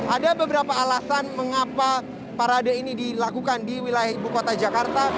ada beberapa alasan mengapa parade ini dilakukan di wilayah ibu kota jakarta